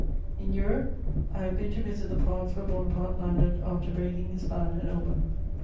] In Europe I have been to visit the parts where Bonaparte landed after breaking his ban at Elba.